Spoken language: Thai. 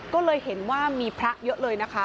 ก็เลยเห็นว่ามีพระเยอะเลยนะคะ